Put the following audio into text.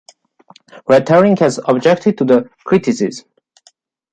Red Herring has objected to the criticism.